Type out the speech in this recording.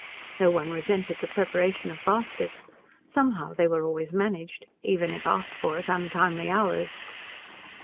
No one resented the preparation of baskets. Somehow they were always managed, even if asked for at untimely hours.